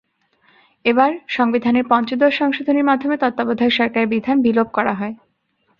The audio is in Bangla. এবার, সংবিধানের পঞ্চদশ সংশোধনীর মাধ্যমে তত্ত্বাবধায়ক সরকারের বিধান বিলোপ করা হয়।